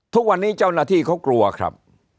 ทุกวันนี้เจ้าหน้าที่เขากลัวครับ